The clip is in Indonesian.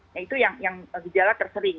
nah itu yang gejala tersering